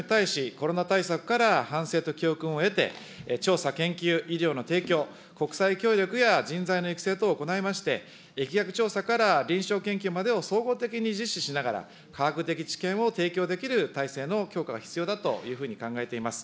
今後の未知の感染症に対し、コロナ対策から反省と教訓を得て、調査、研究、医療の提供、国際協力や人材の育成等を行いまして、疫学調査から臨床研究までを総合的に実施しながら、科学的知見を提供できる体制の強化が必要だというふうに考えています。